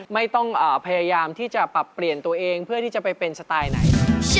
ไม่ต้องพยายามที่จะปรับเปลี่ยนตัวเองเพื่อที่จะไปเป็นสไตล์ไหน